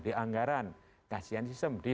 di anggaran kasian sistem di